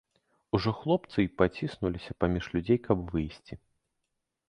Ужо хлопцы й паціснуліся паміж людзей каб выйсці.